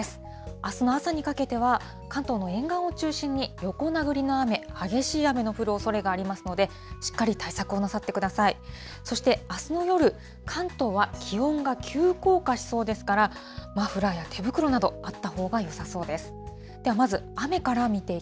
あすの朝にかけては、関東の沿岸を中心に、横殴りの雨、激しい雨の降るおそれがありますので、しっかり対策をなさってください。